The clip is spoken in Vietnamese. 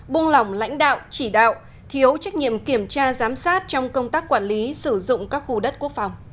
buông lỏng lãnh đạo chỉ đạo thiếu trách nhiệm kiểm tra giám sát trong công tác quản lý sử dụng các khu đất quốc phòng